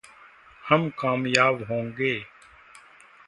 हम कामयाब होंगे।